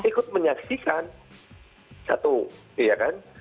ikut menyaksikan satu ya kan